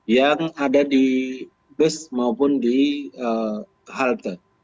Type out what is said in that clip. yang ada di bus maupun di halte